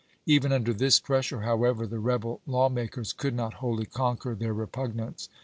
Even under this pressure, however, the rebel law makers could not wholly conquer their repug nance.